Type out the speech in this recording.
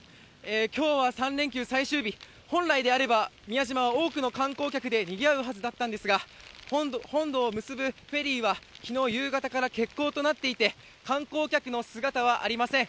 きょうは３連休最終日、本来であれば、宮島は多くの観光客でにぎわうはずだったんですが、本土を結ぶフェリーはきのう夕方から欠航となっていて、観光客の姿はありません。